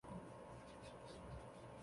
温达特语属于易洛魁语系。